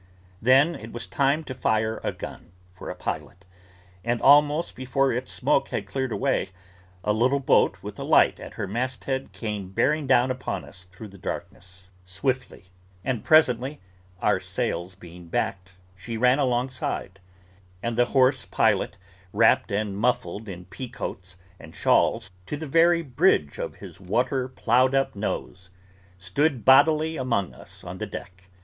Then, it was time to fire a gun, for a pilot; and almost before its smoke had cleared away, a little boat with a light at her masthead came bearing down upon us, through the darkness, swiftly. And presently, our sails being backed, she ran alongside; and the hoarse pilot, wrapped and muffled in pea coats and shawls to the very bridge of his weather ploughed up nose, stood bodily among us on the deck.